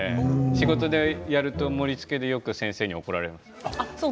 仕事でやると盛りつけですね先生によく怒られます。